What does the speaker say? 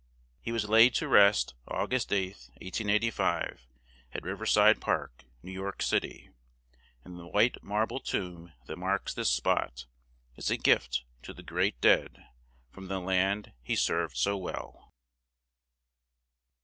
He was laid to rest Au gust 8th, 1885, at Riv er side Park, New York Cit y; and the white mar ble tomb that marks this spot is a gift to the great dead, from the land he served so well.